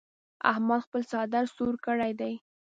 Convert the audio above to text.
احمد خپل څادر سور کړ دی.